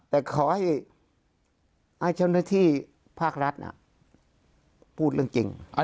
แต่ขอให้หัสละที่ภาครัฐน่ะพูดเรื่องจริง